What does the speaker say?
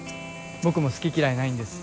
僕も好き嫌いないんです